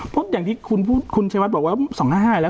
เพราะอย่างที่คุณเชฟัทบอกว่า๒๕๕แล้ว